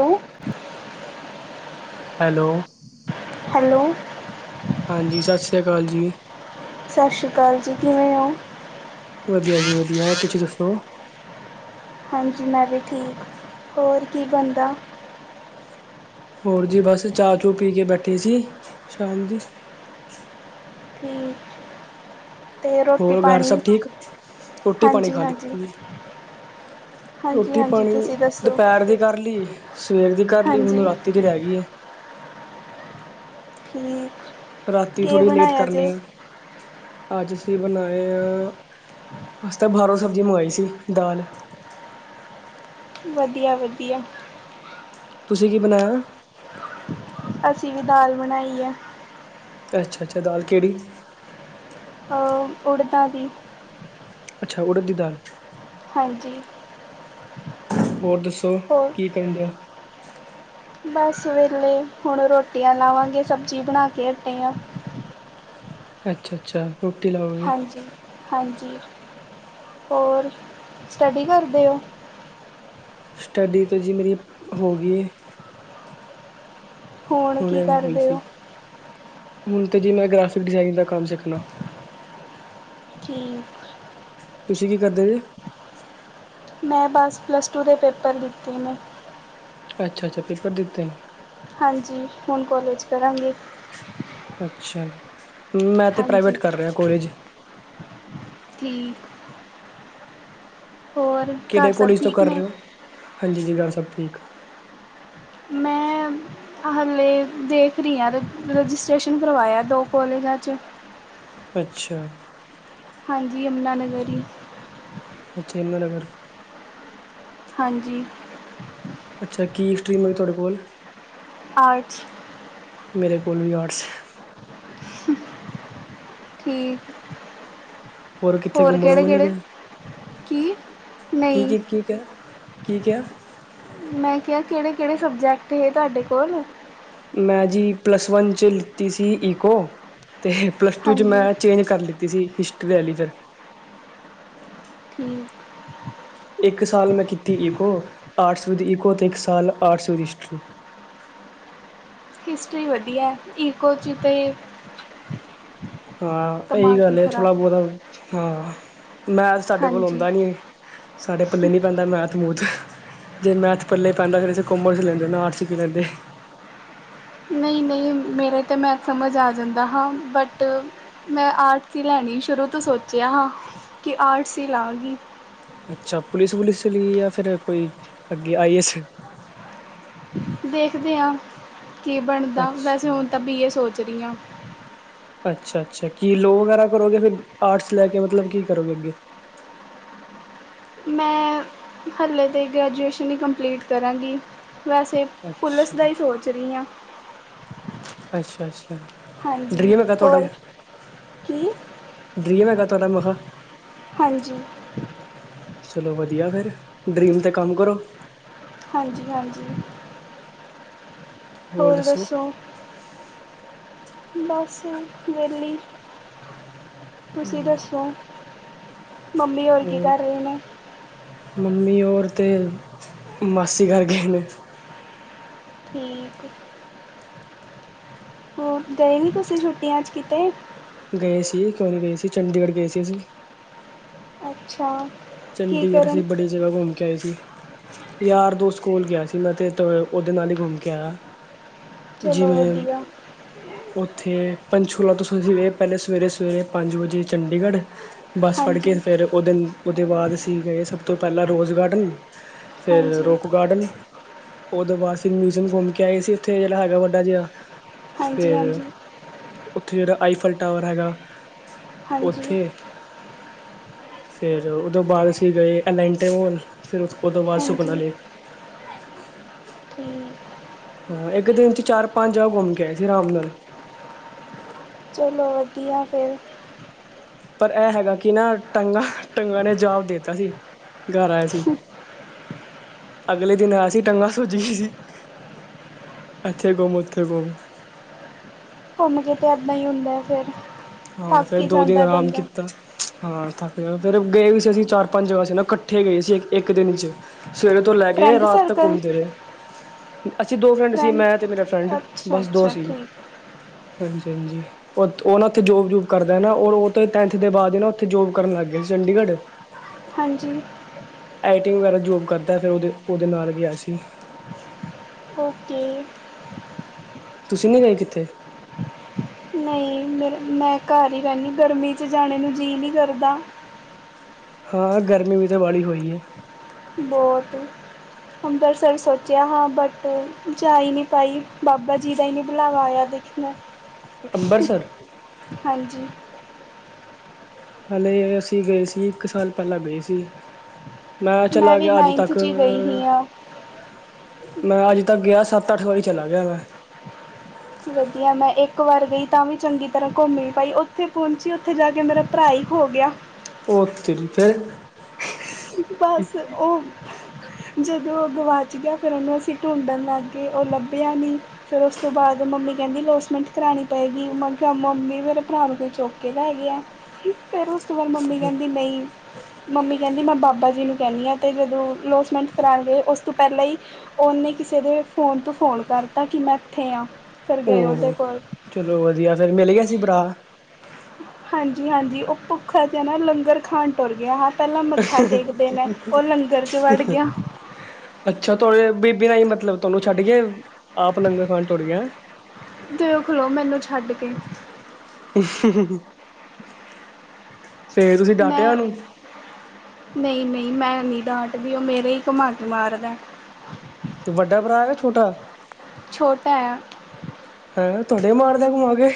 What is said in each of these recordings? Hello hello hello ਹਾਂਜੀ, ਸਤਿ ਸ਼੍ਰੀ ਅਕਾਲ ਜੀ। ਸਤਿ ਸ਼੍ਰੀ ਅਕਾਲ ਜੀ, ਕਿਵੇਂ ਓ? ਵਧੀਆ ਜੀ ਵਧੀਆ, ਹੋਰ, ਤੁਸੀਂ ਦੱਸੋ? ਹਾਂਜੀ ਮੈਂ ਵੀ ਠੀਕ, ਹੋਰ ਕੀ ਬਨਦਾ? ਹੋਰ ਜੀ ਬਸ ਚਾਹ ਚੂ ਪੀ ਕੇ ਬੈਠੇ ਸੀ ਸ਼ਾਮ ਦੀ ਠੀਕ। ਅਤੇ ਰੋਟੀ ਹੋਰ ਘਰ ਪਾਣੀ ਸਭ ਠੀਕ, ਰੋਟੀ ਪਾਣੀ ਹਾਂਜੀ ਖਾ ਹਾਂਜੀ ਲਿੱਤੀ ਏ। ਹਾਂਜੀ ਰੋਟੀ ਹਾਂਜੀ ਪਾਣੀ ਤੁਸੀਂ ਦੱਸੋ ਦੁਪਹਿਰ ਦੀ ਕਰ ਲਈ, ਸਵੇਰ ਦੀ ਕਰ ਲਈ, ਹੁਣ ਹਾਂਜੀ ਰਾਤੀ ਦੀ ਹੈਗੀ ਹੈ। ਠੀਕ। ਰਾਤੀ ਕੀ ਥੋੜੀ ਲੇਟ ਬਣਾਇਆ ਜੇ ਕਰਨੀ ਆ। ਅੱਜ ਅਸੀਂ ਬਣਾਏ ਆ ਅਸੀਂ ਤਾਂ ਬਾਹਰੋਂ ਸਬਜ਼ੀ ਮੰਗਵਾਈ ਸੀ ਦਾਲ। ਵਧੀਆ, ਵਧੀਆ। ਤੁਸੀਂ ਕੀ ਬਣਾਇਆ? ਅਸੀਂ ਵੀ ਦਾਲ ਬਣਾਈ ਹੈ। ਅੱਛਾ, ਅੱਛਾ ਦਾਲ ਕਿਹੜੀ? ਅ ਉੜਦਾ ਦੀ। ਅੱਛਾ ਉੜ ਦੀ ਦਾਲ। ਹਾਂਜੀ। ਹੋਰ ਹੋਰ ਦੱਸੋ'ਕੀ ਕਰਨ ਡਿਆ? ਬਸ ਵੇਹਲੇ, ਹੁਣ ਰੋਟੀਆਂ ਲਾਵਾਂਗੇ, ਸਬਜ਼ੀ ਬਣਾ ਕੇ ਹਟੇ ਆ। ਅੱਛਾ, ਅੱਛਾ। ਰੋਟੀ ਲਾਉ, ਹਾਂਜੀ, ਹਾਂਜੀ 'ਹੋਰ ਸਟੱਡੀ ਕਰਦੇ ਹੋ? ਸਟੱਡੀ ਤੇ ਜੀ ਮੇਰੀ ਹੋ ਗਈ ਏ। ਹੁਣ ਕੀ ਹੁਣੇ ਹੋਈ ਕਰਦੇ ਸੀ ਹੋ ਹੁਣ ਤਾਂ ਜੀ ਮੈਂ ਗ੍ਰਾਫਿਕ ਡਿਜ਼ਾਇਨਿੰਗ ਦਾ ਕੰਮ ਸਿੱਖਣਾ ਠੀਕ ਤੁਸੀਂ ਕੀ ਕਰਦੇ ਜੇ ਮੈਂ ਬਸ ਪਲੱਸ ਟੂ ਦੇ ਪੇਪਰ ਦਿੱਤੇ ਨੇ। ਅੱਛਾ -ਅੱਛਾ ਪੇਪਰ ਦਿੱਤੇ ਨੇ। ਹਾਂਜੀ ਹੁਣ ਕੋਲਜ ਕਰਾਂਗੀ। ਅੱਛਾ ਮੈਂ ਤਾਂ ਹਾਂਜੀ ਪ੍ਰਾਈਵੇਟ ਕਰ ਰਿਹਾ ਕੋਲਜ ਠੀਕ ਹੋਰ ਘਰ ਕਿਹੜੇ ਸਭ ਕੋਲੇਜ ਤੋਂ ਠੀਕ ਕਰ ਰਹੇ ਨੇ ਹੋ। ਹਾਂਜੀ ਜੀ, ਗੱਲ ਸਭ ਠੀਕ ਆ। ਮੈਂ ਹਾਲੇ ਦੇਖ ਰਹੀ ਹਾਂ ਰਜਿਸਟ੍ਰੇਸ਼ਨ ਕਰਵਾਇਆ ਦੋ ਕੋਾਲਜਾਂ ਵਿਚ। ਅੱਛਾ [inaudible] ਹਾਂਜੀ ਯਮੰਨਾ ਨਗਰ ਹੀ। ਯਮੰਨਾ ਨਗਰ ਹਾਂਜੀ ਅੱਛਾ ਕੀ ਸਟਰੀਮ ਹੈਗੀ ਤੁਹਾਡੇ ਕੋਲ? ਆਰਟ੍ਸ ਮੇਰੇ ਕੋਲ ਵੀ ਆਰਟਸ ਠੀਕ, ਹੋਰ ਕਿਹੜੇ- ਕਿਹੜੇ ਕੀ? ਕੀ ਨਹੀਂ ਕੀ ਕੀ ਕ ਕੀ ਕਿਆ? ਮੈਂ ਕਿਹਾ ਕਿਹੜੇ- ਕਿਹੜੇ ਸਬਜੈਕਟ ਹੈ ਤੁਹਾਡੇ ਕੋਲ? ਮੈਂ ਜੀ ਪਲੱਸ ਵਨ 'ਚ ਲਿੱਤੀ ਸੀ ਈਕੋ, ਅਤੇ ਪਲੱਸ ਟੂ 'ਚ ਹਾਂਜੀ ਮੈਂ ਚੇਂਜ ਕਰ ਲਿੱਤੀ। ਤੁਸੀਂ ਹਿਸਟਰੀ ਵਾਲ ਲਈ ਫਿਰ। ਠੀਕ ਇੱਕ ਸਾਲ ਮੈਂ ਕੀਤੀ ਈਕੋ ਆਰਟਸ ਵਿਦ ਈਕੋ ਅਤੇ ਇੱਕ ਸਾਲ ਆਰਟਸ ਵਿਦ ਹਿਸਟਰੀ ਹਿਸਟਰੀ ਵਧੀਆ ਈਕੋ 'ਚ ਤੇ ਹਾਂ ਇਹੀ ਦਿਮਾਗ ਵੀ ਗੱਲ ਏ ਖਰਾਬ ਥੋੜ੍ਹਾ ਬਹੁਤਾ ਹਾਂ ਮੈਥ ਸਾਡੇ ਕੋਲੋਂ ਹਾਂਜੀ ਹੋਂਦਾ ਨੀ ਸਾਡੇ ਪੱਲੇ ਨੀ ਪੈਂਦਾ ਮੈਥ ਮੂਥ ਜੇ ਮੈਥ ਪਲੇ ਪੈਂਦਾ ਫਿਰ ਅਸੀਂ ਕੋਮਰਸ ਲੈਂਦੇ ਆਰਟਸ ਕਿਉ ਲੈਂਦੇ ਨਈ ਨਈ ਮੇਰੇ ਤਾਂ ਮੈਂਥ ਸਮਝ ਆ ਜਾਂਦਾ ਹਾਂ ਬਟ ਮੈਂ ਆਰਟਸ ਹੀ ਲੈਣੀ ਸ਼ੁਰੂ ਤੋਂ ਸੋਚਿਆ ਹਾਂ ਕਿ ਹੀ ਆਰਟਸ ਹੀ ਲਾਂਗੀ ਅੱਛਾ ਪੁਲਿਸ ਵੁਲਿਸ ਲੀ ਆ ਜਾਂ ਫਿਰ ਕੋਈ ਅੱਗੇ ਆਈ ਏ ਐਸ ਦੇਖਦੇ ਹਾਂ ਕੀ ਬਣਦਾ ਵੈਸੇ ਅੱਛਾ ਹੁਣ ਤਾਂ ਬੀ ਏ ਸੋਚ ਰਈ ਹਾਂ ਅੱਛਾ ਅੱਛਾ ਕੀ ਲੋਅ ਵਗੈਰਾ ਕਰੋਗੇ ਫਿਰ ਆਰਟਸ ਲੈ ਕੇ ਮਤਲਬ ਕੀ ਕਰੋਗੇ ਅੱਗੇ ਮੈਂ ਹਾਲੇ ਤਾਂ ਗ੍ਰੈਜੂਏਸ਼ਨ ਹੀ ਕੰਪਲੀਟ ਕਰਾਂਗੀ ਵੈਸੇ ਪੁਲਿਸ ਅੱਛਾ, ਦਾ ਹੀ ਸੋਚ ਰਹੀ ਹਾਂ ਅੱਛਾ ਅੱਛਾ ਹਾਂਜੀ ਡਰੀਮ ਹੈਗਾ ਤੁਹਾਡਾ ਹੋਰ ਕੀ ਡਰੀਮ ਹੈਗਾ ਤੁਹਾਡਾ ਮੈ ਕਿਆ ਹਾਂਜੀ ਚਲੋ ਵਧੀਆ ਫਿਰ ਡਰੀਮ ਤੇ ਕੰਮ ਕਰੋ ਹਾਂਜੀ ਹਾਂਜੀ ਹੋਰ ਦੱਸੋ ਬਸ ਵਿਹਲੀ ਤੁਸੀਂ ਦੱਸੋ ਮੰਮੀ ਹੋਰੀ ਕੀ ਹੋਰ ਕਰ ਰਹੇ ਨੇ ਮੰਮੀ ਔਰ ਤੇ ਮਾਸੀ ਘਰ ਗਏ ਨੇ ਠੀਕ ਏ ਹੋਰ ਗਏ ਨੀ ਤੁਸੀਂ ਛੁੱਟੀਆਂ ਚ ਕਿਤੇ ਗਏ ਸੀ ਕਿਉਂ ਨਹੀਂ ਗਏ ਸੀ ਚੰਡੀਗੜ੍ਹ ਗਏ ਸੀ ਅਸੀਂ ਅੱਛਾ ਕੀ ਚੰਡੀਗੜ੍ਹ ਕਰਨ ਸੇ ਬੜੀ ਜਗ੍ਹਾ ਘੁੰਮ ਕੇ ਆਏ ਸੀ ਯਾਰ ਦੋਸਤ ਕੋਲ ਗਿਆ ਸੀ ਮੈਂ ਤੇ ਉਹਦੇ ਨਾਲ ਹੀ ਘੁੰਮ ਕੇ ਆਇਆ ਚਲੋ ਜਿਵੇਂ ਵਧੀਆ ਉੱਥੇ ਪੰਚਕੁਲਾ ਤੋਂ ਅਸੀਂ ਗਏ ਪਹਿਲੇ ਸਵੇਰੇ ਸਵੇਰੇ ਪੰਜ ਵਜੇ ਚੰਡੀਗੜ੍ਹ ਬੱਸ ਫੜ ਕੇ ਹਾਂਜੀ ਫਿਰ ਉਹਦੇ ਉਹਦੇ ਬਾਅਦ ਅਸੀਂ ਗਏ ਸਭ ਤੋਂ ਪਹਿਲਾਂ ਰੋਜ਼ ਗਾਰਡਨ ਫਿਰ ਹਾਂਜੀ ਰੋਕ ਗਾਰਡਨ ਉਦੋਂ ਬਾਅਦ ਫੇਰ ਮਿਊਜ਼ੀਅਮ ਘੁੰਮ ਕੇ ਆਏ ਸੀ ਉੱਥੇ ਜਿਹੜਾ ਹੈਗਾ ਵੱਡਾ ਜਿਹਾ ਹਾਂਜੀ ਫੇਰ ਹਾਂਜੀ ਉੱਥੇ ਜਿਹੜਾ ਆਈਫਲ ਟਾਵਰ ਹੈਗਾ ਹਾਂਜੀ ਉੱਥੇ ਫਿਰ ਉਹ ਤੋਂ ਬਾਅਦ ਅਸੀਂ ਗਏ ਅਲਾਂਟੇਮੋਲ ਫਿਰ ਉਹ ਤੋਂ ਬਾਅਦ ਸੁਖਨਾ ਹਾਂਜੀ ਲੇਕ ਠੀਕ ਹਾਂ ਇੱਕ ਦਿਨ ਚ ਚਾਰ ਪੰਜ ਜਗ੍ਹਾ ਘੁੰਮ ਕੇ ਆਏ ਸੀ ਰਾਮ ਨਾਲ ਚਲੋ ਵਧੀਆ ਫਿਰ ਪਰ ਇਹ ਹੈਗਾ ਕਿ ਨਾ ਟੰਗਾ ਟੰਗਾਂ ਨੇ ਜਵਾਬ ਦੇਤਾ ਸੀ ਘਰ ਆਏ ਸੀ ਅਗਲੇ ਦਿਨ ਅਸੀਂ ਟੰਗਾਂ ਸੁਜ ਗਈ ਸੀ ਇੱਥੇ ਗੁਮ ਉੱਥੇ ਗੁੰਮ ਘੁੰਮ ਕੇ ਤਾਂ ਇੱਦਾਂ ਹੀ ਹੁੰਦਾ ਫਿਰ ਹਾਂ ਥੱਕ ਫੇਰ ਹੀ ਦੋ ਦਿਨ ਜਾਂਦਾ ਆਰਾਮ ਬੰਦਾ ਕੀਤਾ ਹਾਂ ਥੱਕ ਜਾ ਫਿਰ ਗਏ ਵੀ ਸੀ ਅਸੀਂ ਚਾਰ ਪੰਜ ਜਗ੍ਹਾ ਸੀ ਨਾ ਕੱਠੇ ਗਏ ਸੀ ਇੱਕ ਇੱਕ ਦਿਨ ਚ ਸਵੇਰੇ ਤੋਂ ਲੈ ਕੇ ਫਰੈਂਡ ਰਾਤ ਤੱਕ ਸਰਕਲ ਘੁੰਮਦੇ ਰਏ। ਅਸੀਂ ਦੋ ਫਰੈਂਡ ਸੀ ਮੈਂ ਤੇ ਮੇਰਾ ਫਰੈਂਡ, ਅੱਛਾ ਬਸ ਦੋ ਅੱਛਾ ਸੀ। ਠੀਕ ਹਾਂਜੀ- ਹਾਂਜੀ। ਓਥ ਓ ਨਾਂ ਉੱਥੇ ਜੋਬ-ਜੂਬ ਕਰਦੈ ਨਾ ਔਰ ਓ ਤੇ ਟੈਂਨਥ ਦੇ ਬਾਅਦ ਈ ਨਾ ਉੱਥੇ ਜੋਬ ਕਰਨ ਲੱਗ ਗਿਆ ਸੀ ਚੰਡੀਗੜ੍ਹ। ਹਾਂਜੀ। ਆਈਟਿੰਗ ਵਗੈਰਾ ਜੋਬ ਕਰਦੈ ਫੇਰ ਓਦੇ, ਓਦੇ ਨਾਲ ਗਿਆ ਸੀ। ਓਕੇ। ਤੁਸੀਂ ਨੀ ਗਏ ਕਿੱਥੇ? ਨਈ ਮੇਰੇ - ਮੈਂ ਘਰ ਈ ਰੈਨੀ, ਗਰਮੀ ਚ ਜਾਣੇ ਨੂੰ ਜੀ ਈ ਨੀ ਕਰਦਾ। ਹਾਂ, ਗਰਮੀ ਵੀ ਤਾਂ ਬਾੜੀ ਹੋਈ ਏ। ਬੋਤ। ਅੰਬਰਸਰ ਸੋਚਿਆ ਹਾਂ ਬਟ ਜਾ ਈ ਨੀ ਪਾਈ, ਬਾਬਾ ਜੀ ਦਾ ਈ ਨੀ ਬੁਲਾਵਾ ਆਇਆ ਦੇ ਮੈਨੂੰ। ਅੰਬਰਸਰ? ਹਾਂਜੀ। ਹਲੇ ਅਸੀਂ ਗਏ ਸੀ, ਇੱਕ ਸਾਲ ਪੈਲਾਂ ਗਏ ਸੀ। ਮੈਂ ਚਲਾ ਵੀ ਗਿਆ ਅੱਜ ਨਾਈਨਥ ਤੱਕ 'ਚ ਗਈ ਹੀ ਹਾਂ ਮੈਂ ਅੱਜ ਤੱਕ ਗਿਆ ਸੱਤ, ਅੱਠ ਵਾਰੀ ਚਲਾ ਗਿਆ ਮੈਂ। ਵਧੀਆ, ਮੈਂ ਏਕ ਵਾਰ ਗਈ ਤਾਂ ਵੀ ਚੰਗੀ ਤਰ੍ਹਾਂ ਘੁੰਮ ਈ ਨੀ ਪਾਈ। ਉੱਥੇ ਪਹੁੰਚੀ, ਉੱਥੇ ਜਾ ਕੇ ਮੇਰਾ ਭਰਾ ਈ ਖੋ ਗਿਆ। ਓ ਤੇਰੀ ਫੇਰ? ਬਸ ਓ ਜਦੋਂ ਉਹ ਗਵਾਚ ਗਿਆ ਫੇਰ ਉਹਨੂੰ ਅਸੀਂ ਢੂੰਡਣ ਲੱਗ ਗਏ ਉਹ ਲੱਭਿਆ ਨੀ। ਫੇਰ ਉਸ ਤੋਂ ਬਾਅਦ ਮੰਮੀ ਕਹਿੰਦੀ ਲੋਸਮੈਂਟ ਕਰਉਣੀ ਪਏਗੀ ਮੈ ਖੇਆ ਮੰਮੀ ਮੇਰੇ ਭਰਾ ਨੂੰ ਕੋਈ ਚੌੱਕ ਕੇ ਲੈ ਗਿਆ। ਫੇਰ ਉਸ ਤੋਂ ਬਾਅਦ ਮੰਮੀ ਕਹਿੰਦੀ ਨਹੀਂ ਮੰਮੀ ਕਹਿੰਦੀ ਮੈਂ ਬਾਬਾ। ਜੀ ਨੂੰ ਕਹਿੰਦੀ ਹਾਂ ਤੇ ਜਦੋਂ ਲੋਸਮੈਂਟ ਕਰਾਨ ਗਏ ਉਸ ਤੋਂ ਪਹਿਲਾਂ ਈ। ਉਹਨੇ ਕਿਸੇ ਦੇ ਫੋਨ ਤੋਂ ਫੋਨ ਕਰਤਾ ਕਿ ਮੈਂ ਇੱਥੇ ਆ। ਓ ਹੋ ਚਲੋ ਵਧੀਆ ਫੇਰ ਮਿਲ ਗਿਆ ਸੀ ਭਰਾ? ਹਾਂਜੀ- ਹਾਂਜੀ ਉਹ ਭੁੱਖਾ ਜੇਹਾ ਨਾ ਲੰਗਰ ਖਾਣ ਤੁਰ ਗਿਆ ਹ- ਪਹਿਲਾਂ ਮੱਥਾ ਟੇਕ ਦੇ ਨੇ ਫੇਰ ਲੰਗਰ 'ਚ ਵੜ ਗਿਆ। ਅੱਛਾ ਤੁਹਾਡੇ ਬੀਬੀ ਨਾਲ ਨੀ ਮਤਲਬ ਤੁਹਾਨੂੰ ਛੱਡ ਗਿਆ ਆਪ ਲੰਗਰ ਖਾਣ ਤੁਰ ਗਿਆ ਏ। ਦੇਖ ਲੋ ਮੈਨੂੰ ਛੱਡ ਕੇ। ਫੇਰ ਤੁਸੀਂ ਡਟਿਆ ਓਨੂੰ? ਨਈ- ਨਈ ਮੈਂ ਨੀ ਡਾਂਟਦੀ ਓ ਮੇਰੇ ਈ ਘਮਾ ਕੇ ਮਾਰਦਾ ਏ। ਤੇ ਵੱਡਾ ਭਰਾ ਵੇ ਛੋਟਾ ਏ? ਛੋਟਾ ਐ। ਐਂ ਤੁਆਡੇ ਈ ਮਾਰਦਾ ਘੁਮਾਕੇ?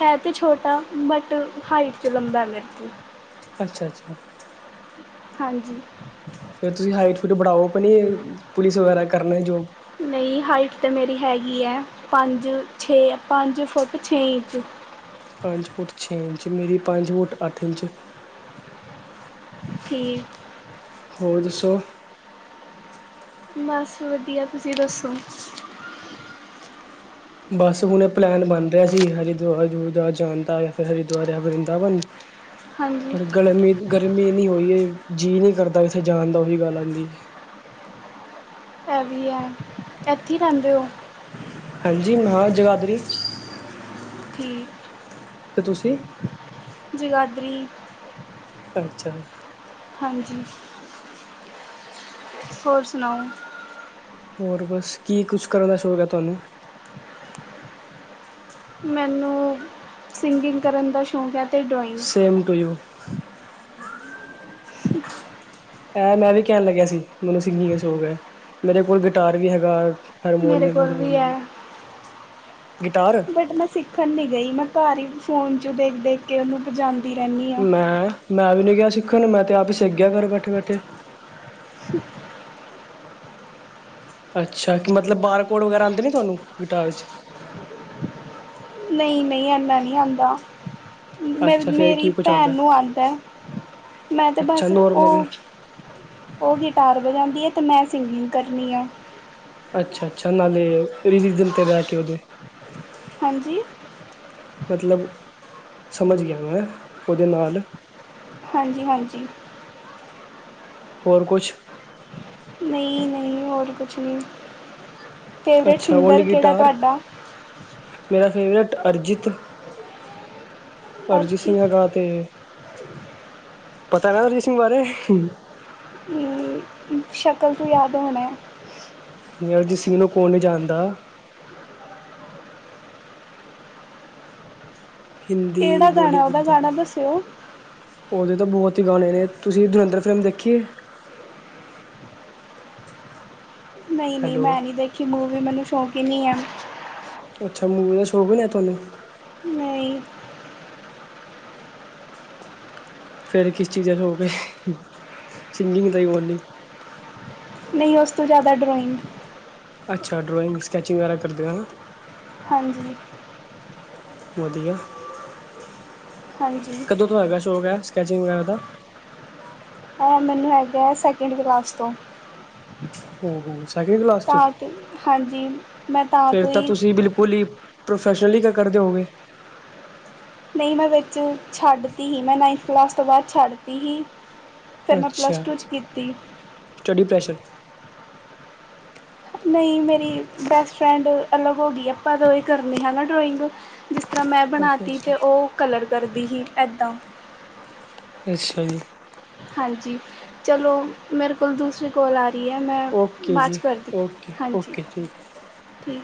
ਹੈ ਤਾਂ ਛੋਟਾ, ਬਟ ਹਾਈਟ ਚ ਲੰਬਾ ਏ ਮੇਰ ਤੋਂ। ਅੱਛਾ -ਅੱਛਾ। ਹਾਂਜੀ। ਫੇਰ ਤੁਸੀਂ ਹਾਈਟ ਖੂਦ ਬੜਾਓ ਆਪਣੀ ਪੁਲਿਸ ਵਗੈਰਾ ਕਰਨਾ ਜੋਇਨ। ਨਈ ਹਾਈਟ ਤਾਂ ਮੇਰੀ ਹੈਗੀ ਆ ਪੰਜ- ਛੇ ਪੰਜ ਫੁੱਟ ਛੇ ਇੰਚ। ਪੰਜ ਫੁੱਟ ਛੇ ਇੰਚ ਮੇਰੀ ਪੰਜ ਫੁਟ ਅੱਠ ਇੰਚ। ਠੀਕ ਹੋਰ ਦੱਸੋ? ਬਸ ਵਧੀਆ ਤੁਸੀਂ ਦੱਸੋ? ਬਸ ਹੁਣੇ ਪਲੈਨ ਬਣ ਰੇਆ ਸੀ ਹਰਿਦੁਆਰ ਦੂਰ ਜਾਣ ਦਾ ਜਾ ਫਿਰ ਹਰਿਦੁਆਰ ਵਰਿੰਦਾਵਨ। ਹਾਂਜੀ ਪਰ ਗਰਮੀ- ਗਰਮੀ ਏਨੀ ਹੋਈ ਏ ਜੀ ਨੀ ਕਰਦਾ ਓਥੇ ਜਾਣ ਦਾ ਓਹੀ ਗੱਲ ਆਂਦੀ। ਹੈ ਵੀ ਐ ਐਥੇ ਈ ਰੈਂਦੇ ਓ। ਹਾਂਜੀ ਮੈ ਜਗਾਧਰੀ। ਠੀਕ। ਤੇ ਤੁਸੀਂ? ਜਗਾਦਰੀ। ਅੱਛਾ। ਹਾਂਜੀ। ਹੋਰ ਸੁਣਾਓ। ਹੋਰ ਬਸ ਕੀ ਕੁਛ ਕਰਨ ਦਾ ਸ਼ੌਕ ਐ ਤਾਨੂੰ। ਮੈਨੂੰ ਸਿੰਗਿੰਗ ਕਰਨ ਦਾ ਸ਼ੌਕ ਐ। Same to you. ਐ ਮੈਂ ਵੀ ਕਹਿਣ ਲੱਗਿਆ ਸੀ ਮੈਨੂੰ ਸਿੰਗਿੰਗ ਦਾ ਸ਼ੌਂਕ ਐ ਮੇਰੇ ਕੋਲ ਗਿਟਾਰ ਵੀ ਹੈਗਾ। ਮੇਰੇ ਹਰਮੋਨੀਅਮ ਕੋਲ ਵੀ ਹੂਰਮੋਨੀਅਮ, ਹੈ ਗਿਟਾਰ। ਬਟ ਮੈਂ ਸਿੱਖਣ ਨੀ ਗਈ ਮੈਂ ਘਰ ਹੀ ਫੋਨ ਚੋ ਦੇਖ- ਦੇਖ ਕੇ ਓਨੂੰ ਵਜਾਦੀ ਰੇਨੀਂ ਆ। ਮੈਂ ਮੈਂ ਵੀ ਨੀ ਗਿਆ ਸਿੱਖਣ ਨੂੰ ਮੈਂ ਤਾਂ ਆਪ ਈ ਸਿੱਖ ਗੇਆ ਘਰ ਬੈਠੇ -ਬੈਠੇ। ਅੱਛਾ ਕਿ ਮਤਲਬ ਬਾਰਕੋਡ ਵਗੈਰਾ ਆਦੇ ਨੇ ਤੁਵਾਨੁ ਗਿਟਾਰ ਚ? ਨਈ- ਨਈ ਐਨਾ ਨੀ ਆਦਾ। ਮੈ ਅੱਛਾ ਫਿਰ ਮੇਰੀ ਕੀ ਕੁਛ ਭੈਣ ਆਉਂਦਾ ਨੂੰ ਆਂਦਾ ਮੈਂ ਤਾਂ ਅੱਛਾ ਬਸ ਓ। ਨੋਰਮਲ ਉਹ ਗਿਟਾਰ ਵਜਾਂਦੀ ਐ ਤੇ ਮੈਂ ਸਿੰਗਿੰਗ ਕਰਨੀ ਆ। ਅੱਛਾ-ਅੱਛਾ ਨਾਲੇ, ਰਿਲਿਜਿਗਂ ਤੇ ਬੈ ਕੇ ਓਥੇ ਹਾਂਜੀ। ਮਤਲਬ ਸਮਝ ਗਿਆ ਮੈਂ ਓਦੇ ਨਾਲ। ਹਾਂਜੀ- ਹਾਂਜੀ। ਹੋਰ ਕੁਛ। ਨਈ- ਨਈ ਹੋਰ ਕੁਛ ਨੀ ਫੇਵਰੇਟ ਅੱਛਾ ਓਨਲੀ ਸਿੰਗਰ ਕੇੜਾ ਗਿਟਾਰ ਤੁਆਡਾ। ਮੇਰਾ ਫੇਵਰੇਟ ਅਰਜਿਤ। ਅਰਜੀ ਸਿੰਘ ਅਰਜੀਤ ਹੈਗਾ ਤੇ ਪਤਾ ਐ ਅਰਜੀ ਸਿੰਘ ਬਾਰੇ। ਹੂੰ ਸ਼ਕਲ ਤੋ ਯਾਦ ਹੋਣੈ। ਨੀ ਅਰਜੀ ਸਿੰਘ ਨੂੰ ਕੌਣ ਨੀ ਜਾਣਦਾ। ਹਿੰਦੀ ਕਿਹੜਾ ਗਾਣਾ ਬੋਲੀਵੁੱਡ ਉਹਦਾ ਦਾ। ਗਾਣਾ ਦੱਸਿਓ? ਔਦੇ ਤੋਂ ਬੋਤ ਈ ਗਾਣੇ ਨੇ ਤੁਸੀਂ ਦਵਿੰਦਰ ਫਿਲਮ ਦੇਖੀ ਏ। ਨਈ-ਨਈ ਹੈਲੋ ਮੈਂ ਨੀ ਦੇਖੀ ਮੂਵੀ ਮੈਨੂੰ ਸ਼ੌਕ ਈ ਨੀ ਐ। ਅੱਛਾ ਮੂਵੀ ਦਾ ਸ਼ੌਕ ਨੀ ਐ ਤੁਆਨੂੰ। ਨਹੀਂ। ਫੇਰ ਕਿਸ ਚੀਜ਼ ਦਾ ਸ਼ੋਕ ਏ ਸਿੰਗਿੰਗ ਦਾ ਹੀ ਓਨਲੀ। ਨਹੀਂ ਉਸ ਤੋਂ ਜ਼ਿਆਦਾ ਡਰੋਇੰਗ। ਅੱਛਾ ਡਰੋਇੰਗ ਸਕੈਚਿੰਗ ਵਗੈਰਾ ਕਰਦੇ ਹੋ ਨਾ। ਹਾਂਜੀ। ਵਧੀਆ ਹਾਂਜੀ ਕਦੋਂ ਤੋਂ ਹੈਗਾ ਸ਼ੌਕ ਐ ਸਕੈਚਿੰਗ ਵਗੈਰਾ ਦਾ। ਐ ਮੈਨੂੰ ਹੈਗਾ ਹੈ ਸੈਕਿੰਡ ਕਲਾਸ ਤੋਂ। ਓ ਹੋ ਸੈਕਿੰਡ ਕਲਾਸ ਤੋ ਤਾਂ ਕਿ ਹਾਂਜੀ ਮੈਂ ਫੇਰ ਤੋਂ ਤਾਂ ਹੀ ਤੁਸੀਂ ਬਿਲਕੁਲ ਹੀ। ਪ੍ਰੋਫੈਸ਼ਨਲੀ ਦੇ ਕਰਦੇ ਹੋਗੇ। ਨਈ ਮੈਂ ਵਿੱਚ ਛੱਡਦੀ ਹੀ ਨਾਇੰਥ ਕਲਾਸ ਤੋਂ ਬਾਦ ਛੱਡਤੀ ਹੀ। ਫਿਰ ਮੈਂ ਪਲੱਸ ਅੱਛਾ, ਟੂ 'ਚ ਕੀਤੀ ਸਟੱਡੀ ਪ੍ਰੈਸ਼ਰ। ਨਈ ਮੇਰੀ ਬੈਸਟ ਫਰੈਂਡ ਅਲੱਗ ਹੋ ਗਈ ਆਪਾ ਦੋ ਹੀ ਕਰਨੇ ਹਾ ਨਾ ਡਰੋਇੰਗ। ਜਿਸ ਤਰ੍ਹਾਂ ਮੈਂ ਬਣਾ ਅੱਛਾ ਤੀ ਅੱਛਾ ਤੇ ਉਹ ਕਲਰ ਕਰਦੀ ਹੀ ਏਦਾਂ। ਅੱਛਾ ਜੀ। ਹਾਂਜੀ ਚਲੋ, ਮੇਰੇ ਕੋਲ ਦੂਸ ਕੋਲ ਆ ਰਹੀ ਐ ਮੈਂ ਓਕੇ ਬਾਦ ਚ ਜੀ ਕਰਦੀ ਓਕੇ ਹਾਂਜੀ ਓਕੇ ਠੀਕ ਠੀਕ।